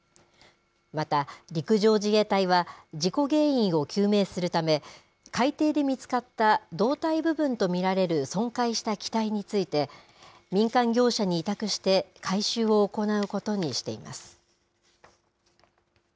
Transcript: また、陸上自衛隊は事故原因を究明するため、海底で見つかった胴体部分と見られる損壊した機体について、民間業者に委託して回収を行うことにしています。